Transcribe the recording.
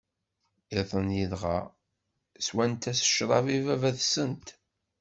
Iḍ-nni dɣa, sswent-as ccṛab i Baba-tsent.